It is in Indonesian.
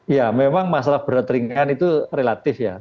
ya memang masalah berat ringan itu relatif ya